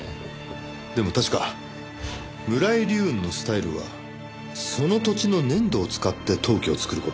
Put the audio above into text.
でも確か村井流雲のスタイルはその土地の粘土を使って陶器を作る事じゃ。